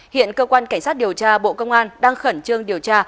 hiện cơ quan cảnh sát điều tra bộ công an đang khẩn trương điều tra